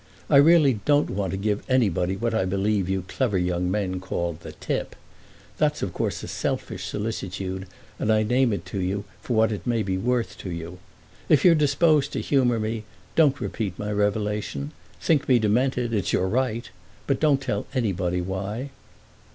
I really don't want to give anybody what I believe you clever young men call the tip. That's of course a selfish solicitude, and I name it to you for what it may be worth to you. If you're disposed to humour me don't repeat my revelation. Think me demented—it's your right; but don't tell anybody why."